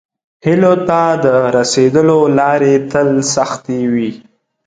هیلو ته د راسیدلو لارې تل سختې وي.